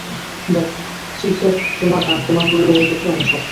দেখ, চিফের তোমার আর তোমার পরিবারের প্রতি অনেক শ্রদ্ধা রয়েছে।